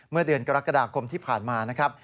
เมื่อเดือนกรกฎาคมที่ผ่านมานะครับ